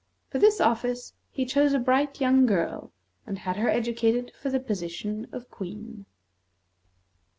For this office he chose a bright young girl, and had her educated for the position of Queen.